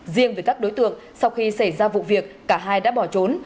riêng với các đối tượng sau khi xảy ra vụ việc cả hai đã bỏ trốn